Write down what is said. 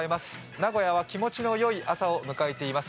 名古屋は気持ちのよい朝を迎えています。